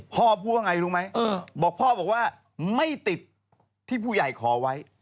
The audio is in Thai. พ่อพูดว่าไงรู้ไหมบอกพ่อบอกว่าไม่ติดที่ผู้ใหญ่ขอไว้